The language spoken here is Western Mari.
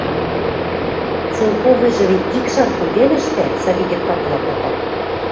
–...Целковыйжы вет ик шарыкым веле ӹштӓ, – Савикет пакыла попа.